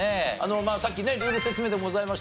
まあさっきねルール説明でもございました